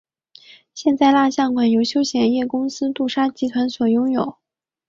现在蜡像馆由休闲业公司杜莎集团所拥有。